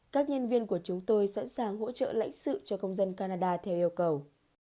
các nhân viên của chúng tôi sẵn sàng hỗ trợ lãnh sự cho công dân canada theo yêu cầu